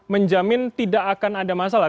menjamin tidak akan ada masalah